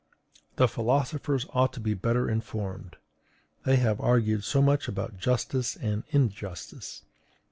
The philosophers ought to be better informed: they have argued so much about justice and injustice!